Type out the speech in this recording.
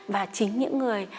và chính những người